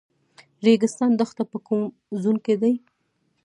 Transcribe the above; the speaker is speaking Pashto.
ریګستان دښته په کوم زون کې ده؟